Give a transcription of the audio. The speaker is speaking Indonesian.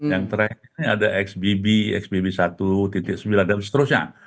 yang terakhir ini ada xbb xbb satu sembilan dan seterusnya